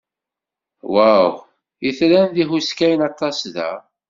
Waw! Itran d ihuskayen aṭas da.